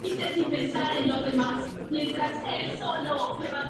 Se hizo monaguillo de la catedral de Cracovia.